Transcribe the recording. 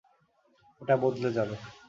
এটা বদলে যাবে।